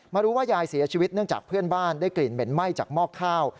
รู้ว่ายายเสียชีวิตเนื่องจากเพื่อนบ้านได้กลิ่นเหม็นไหม้จากหม้อข้าว